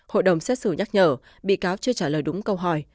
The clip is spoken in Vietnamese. hội đồng xét xử nhắc nhở bị cáo chưa trả lời đúng câu hỏi